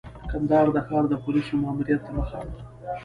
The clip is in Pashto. کندهار د ښار د پولیسو ماموریت ته مخامخ.